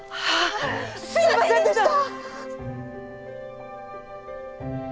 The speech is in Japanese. すいませんでした！